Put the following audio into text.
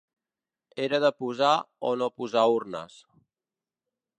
Era de posar o no posar urnes.